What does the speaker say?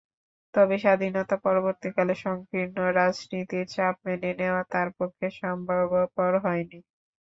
তবে স্বাধীনতা-পরবর্তীকালে সংকীর্ণ রাজনীতির চাপ মেনে নেওয়া তাঁর পক্ষে সম্ভবপর হয়নি।